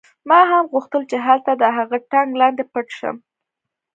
ما هم غوښتل چې هلته د هغه ټانک لاندې پټ شم